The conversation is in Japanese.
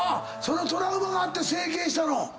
そのトラウマがあって整形したの？